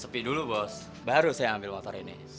sepi dulu bos baru saya ambil motor ini